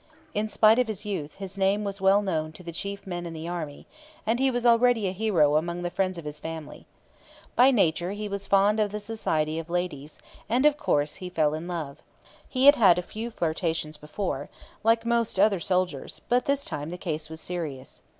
In spite of his youth his name was well known to the chief men in the Army, and he was already a hero among the friends of his family. By nature he was fond of the society of ladies, and of course he fell in love. He had had a few flirtations before, like most other soldiers; but this time the case was serious.